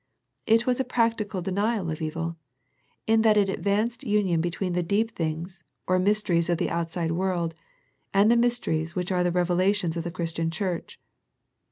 It was a practical de nial of evil, in that it advocated union between the deep things, or mysteries of the out side world, and the mysteries which are the revelations of the Christian Church.